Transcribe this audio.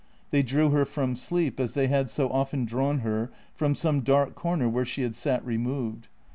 They drew her from sleep, as they had so often drawn her from some dark corner where she had sat removed.